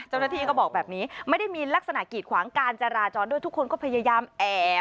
เจ้าหน้าที่ก็บอกแบบนี้ไม่ได้มีลักษณะกีดขวางการจราจรด้วยทุกคนก็พยายามแอบ